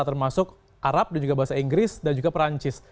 termasuk arab dan juga bahasa inggris dan juga perancis